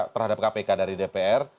terhadap kpk dari dpr